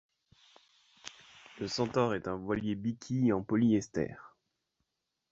Le Centaur est un voilier biquille en polyester.